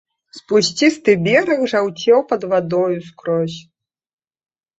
Спусцісты бераг жаўцеў пад вадою скрозь.